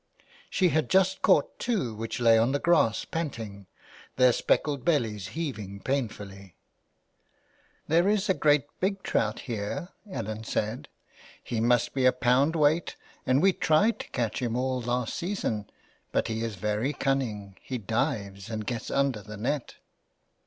She had just caught two which lay on the grass panting, their speckled bellies heaving painfully, '' There is a great big trout here," Ellen said, " he must be a pound weight, and we tried to catch him all last season but he is very cunning, he dives and gets under the net."